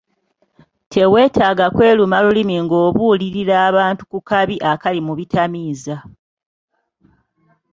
Teweetaaga kweruma lulimi ng'obuulirira abantu ku kabi akali mu bitamiiza.